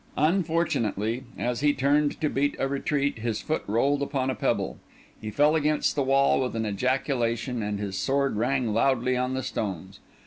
Unfortunately, as he turned to beat a retreat, his foot rolled upon a pebble; he fell against the wall with an ejaculation, and his sword rang loudly on the stones.